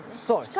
そう。